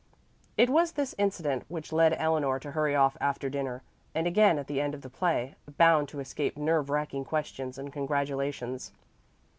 It was this incident which led Eleanor to hurry off after dinner, and again at the end of the play, bound to escape nerve racking questions and congratulations.